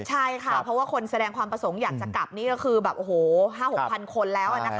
ใช่ค่ะเพราะว่าคนแสดงความประสงค์อยากจะกลับนี่ก็คือแบบโอ้โห๕๖๐๐คนแล้ว